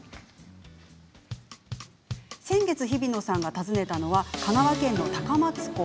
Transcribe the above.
先月、ひびのさんが訪ねたのは香川県の高松港。